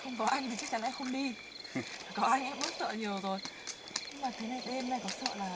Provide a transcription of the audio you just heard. nhưng mà thế này đêm này có sợ là